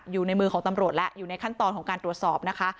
อยู่ในมือของตำรวจแล้วอยู่ในขั้นตอนของการตรวจสอบนะคะ